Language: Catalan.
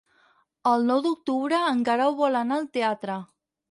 El nou d'octubre en Guerau vol anar al teatre.